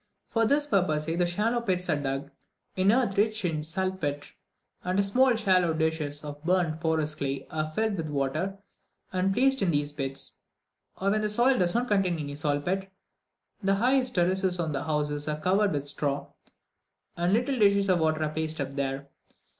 For this purpose, either shallow pits are dug in earth rich in saltpetre, {212b} and small shallow dishes of burnt porous clay are filled with water, and placed in these pits, or when the soil does not contain any saltpetre, the highest terraces on the houses are covered with straw, and the little dishes of water are placed up there.